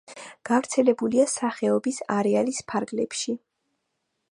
გავრცელებულია სახეობის არეალის ფარგლებში.